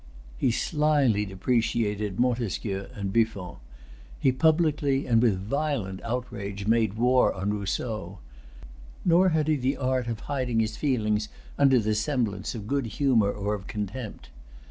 He slyly depreciated Montesquieu and Buffon. He publicly, and with violent outrage, made war on Rousseau. Nor had he the art of hiding his feelings under the semblance of good humor or of contempt.